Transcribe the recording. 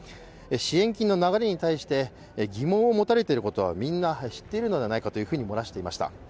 支援金の流れに対して疑問を持たれていることはみんな知っているのではないかと漏らしていました。